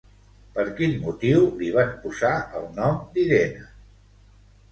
Per quin motiu li van posar el nom d'Irene?